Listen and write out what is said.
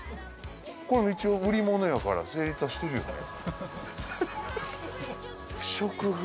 これ一応売り物やから成立はしてるよね。